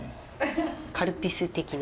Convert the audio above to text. カルピス的な？